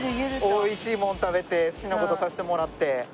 美味しいもん食べて好きな事させてもらって。